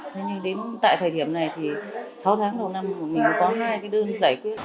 thế nhưng đến tại thời điểm này thì sáu tháng đầu năm của mình có hai cái đơn giải quyết